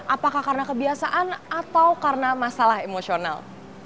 apakah karena kebiasaan atau karena masalah emosional